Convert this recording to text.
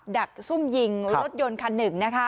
ดักซุ่มยิงรถยนต์คันหนึ่งนะคะ